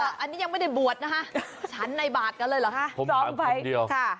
อันนี้ยังไม่ได้บวชนะคะฉันในบาทกันเลยเหรอคะจองใบเดียวค่ะ